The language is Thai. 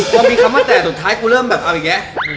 ทำตั้งแต่สุดท้ายคุณเริ่มแบบเอาอีกไง